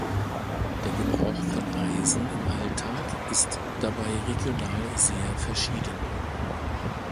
Der Gebrauch von Eisen im Alltag ist dabei regional sehr verschieden.